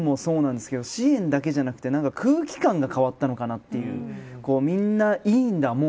一気に始まったのででも支援もそうですけど支援だけじゃなくて空気感が変わったのかなっていうみんな、いいんだ